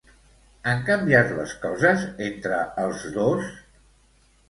Han canviat les coses entre els dos?